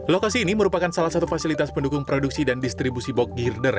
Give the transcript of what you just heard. lokasi ini merupakan salah satu fasilitas pendukung produksi dan distribusi box girder